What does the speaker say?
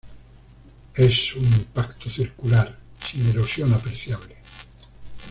Es un impacto circular, sin erosión apreciable.